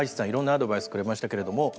いろんなアドバイスくれましたけれども。